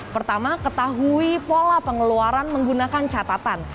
pertama ketahui pola pengeluaran menggunakan catatan